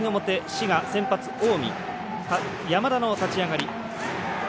滋賀、先発近江、山田の立ち上がり。